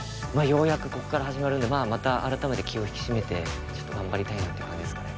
ようやくここから始まるんでまあまた改めて気を引き締めてちょっと頑張りたいなって感じですかね